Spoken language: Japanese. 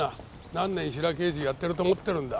何年ヒラ刑事やってると思ってるんだ。